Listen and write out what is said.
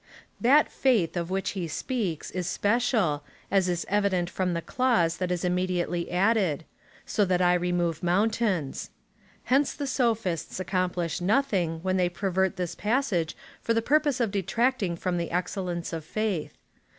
That faith, of which he speaks, is special, as is evident from the clause that is immediately added — so that I reviove mountains. Hence the Sophists accomplish nothing, when they pervert this passage for the purpose of detracting from the excellence of faith.